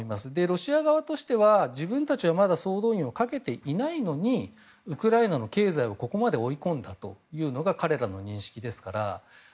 ロシア側としては自分たちはまだ総動員をかけていないのにウクライナの経済をここまで追い込んだというのが彼らの認識ですから。